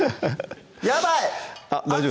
やばい！